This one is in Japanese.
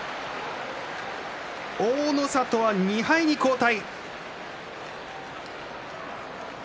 大の里は２敗に後退。